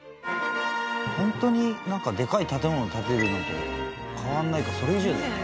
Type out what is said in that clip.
「ホントにでかい建物を建てるのと変わらないかそれ以上だよね」